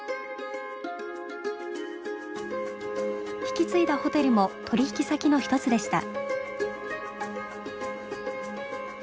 引き継いだホテルも取引先の一つでした。